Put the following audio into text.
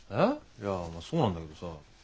いやそうなんだけどさ。